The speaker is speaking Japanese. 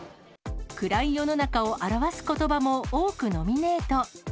暗い世の中を表すことばも多くノミネート。